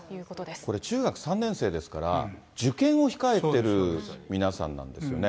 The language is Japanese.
これ中学３年生ですから、受験を控えている皆さんなんですよね。